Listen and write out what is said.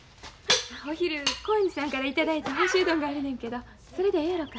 お昼興園寺さんから頂いた干しうどんがあるねんけどそれでええやろか？